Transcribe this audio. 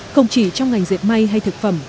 không chỉ trong ngành dệt may hay thực phẩm